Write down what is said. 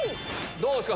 どうですか？